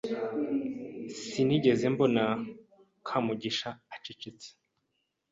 Sinigeze mbona Kamugisha acecetse.